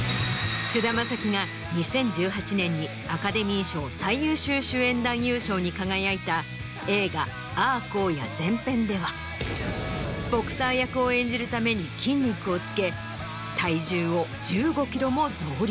菅田将暉が２０１８年にアカデミー賞最優秀主演男優賞に輝いた映画『あゝ、荒野前篇』ではボクサー役を演じるために筋肉をつけ。